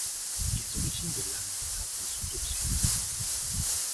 Les origines de l'âne sarde sont obscures.